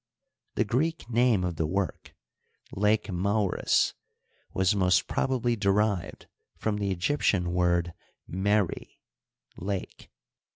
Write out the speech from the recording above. The Greek name of the work. Lake Moeris, was most probably derived from the Egyptian word w^rz, "lake."